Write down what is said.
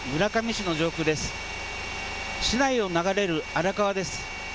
市内を流れる荒川です。